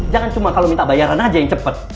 jangan cuma kalau minta bayaran aja yang cepet